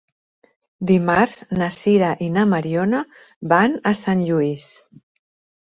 Dimarts na Sira i na Mariona van a Sant Lluís.